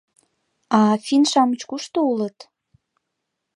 — А финн-шамыч кушто улыт?